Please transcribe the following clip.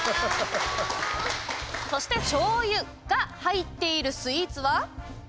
「しょうゆ」が入っているスイーツは。